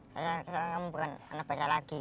karena kamu bukan anak baca lagi